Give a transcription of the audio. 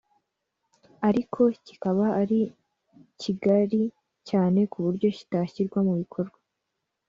ariko kikaba ari kigari cyane kuburyo kitashyirwa mu bikorwa”